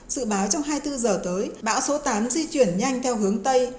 sự báo trong hai mươi bốn giờ tới bão số tám di chuyển nhanh theo hướng tây